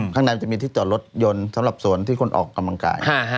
ข้างในมันจะมีที่จอดรถยนต์สำหรับสวนที่คนออกกำลังกาย